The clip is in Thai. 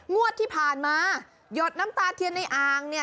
งวดที่ผ่านมาหยดน้ำตาเทียนในอ่างเนี่ย